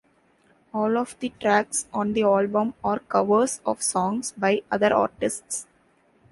All of the tracks on the album are covers of songs by other artists.